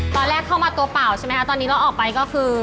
ตอนแรกเข้ามาตัวเปล่าใช่ไหมคะตอนนี้เราออกไปก็คือ